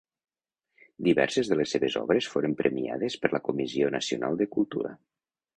Diverses de les seves obres foren premiades per la Comissió Nacional de Cultura.